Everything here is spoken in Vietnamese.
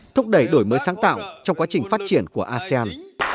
thúc đẩy đổi mới sáng tạo trong quá trình phát triển của asean